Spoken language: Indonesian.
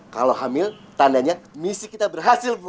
kalau hamil tandanya misi kita berhasil